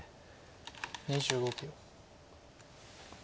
２５秒。